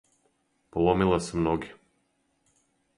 Поломила сам ноге.